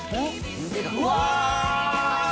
うわ！